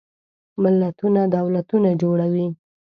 ملتونه دولتونه جوړوي.